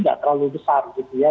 nggak terlalu besar gitu ya